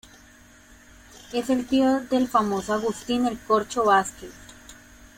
Es el tío del famoso Agustín "El Corcho" Vazquez.